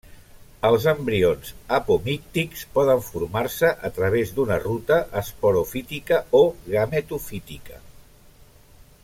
Els embrions apomíctics poden formar-se a través d’una ruta esporofítica o gametofítica.